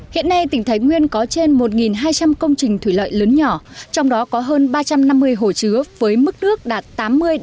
hiện nay tỉnh thái nguyên có trên một hai trăm linh công trình thủy lợi lớn nhỏ trong đó có hơn ba trăm năm mươi hồ chứa với mức nước đạt tám mươi ba mươi